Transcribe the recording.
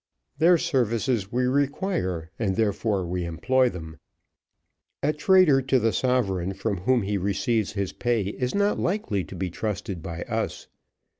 Their services we require, and therefore we employ them. A traitor to the sovereign from whom he receives his pay, is not likely to be trusted by us.